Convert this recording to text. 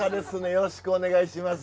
よろしくお願いします。